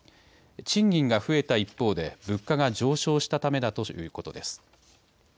賃金が増えた一方で物価が上昇したためだということです。